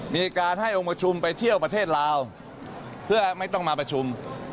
มีการให้องค์ประชุมไปเที่ยวประเทศลาวเพื่อไม่ต้องมาประชุม